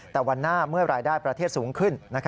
แต่วันหน้าเมื่อรายได้ประเทศสูงขึ้น